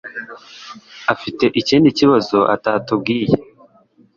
afite ikindi kibazo atatubwiye.